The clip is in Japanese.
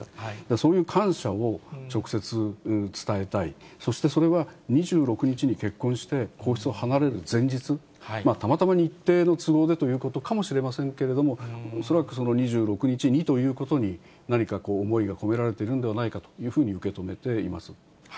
そういう感謝を直接伝えたい、そしてそれは２６日に結婚して皇室を離れる前日、たまたま日程の都合でということかもしれませんけれども、恐らく２６日にということに、何か思いが込められているのではないかというふうに受け止めています。